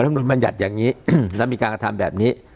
ลำนูนมันหยัดอย่างนี้และมีการกระทำแบบนี้